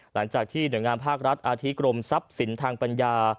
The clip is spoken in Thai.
หลังจากที่หน่วยงานภาครัฐอาทิตกรมทรัพย์สินทางปัญญา